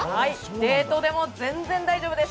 デートでも全然大丈夫です。